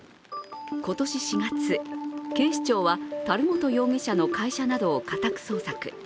今年４月、警視庁は樽本容疑者の会社などを家宅捜索。